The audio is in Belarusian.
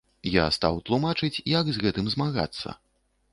Я стаў тлумачыць, як з гэтым змагацца.